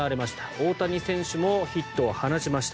大谷選手もヒットを放ちました。